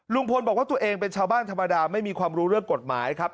ลุงพลบอกว่าตัวเองเป็นชาวบ้านธรรมดาไม่มีความรู้เรื่องกฎหมายครับ